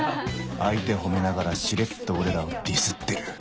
相手褒めながらしれっと俺らをディスってる